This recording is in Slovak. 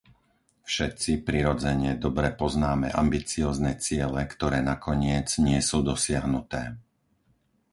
Všetci, prirodzene, dobre poznáme ambiciózne ciele, ktoré nakoniec nie sú dosiahnuté.